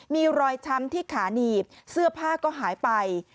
มีรอยช้ำที่ขาหนีบเสื้อผ้าก็หายไป